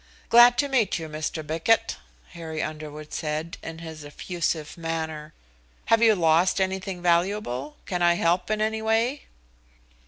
"Glad to meet you, Mr. Bickett," Harry Underwood said, in his effusive manner. "Have you lost anything valuable? Can I help in any way?"